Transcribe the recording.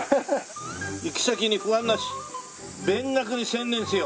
「行き先に不安なし」